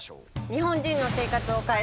日本人の生活を変えた！